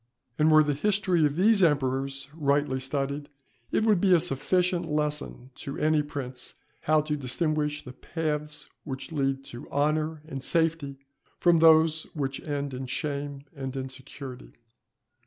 And were the history of these emperors rightly studied, it would be a sufficient lesson to any prince how to distinguish the paths which lead to honour and safety from those which end in shame and insecurity.